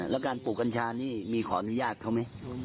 แล้วการปลูกกัญชานี่มีขออนุญาตเขาไหม